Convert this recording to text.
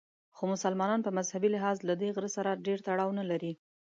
خو مسلمانان په مذهبي لحاظ له دې غره سره ډېر تړاو نه لري.